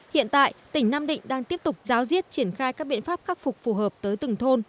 hiện tại tỉnh nam định đang tiếp tục giáo diết triển khai các biện pháp khắc phục phù hợp tới từng thôn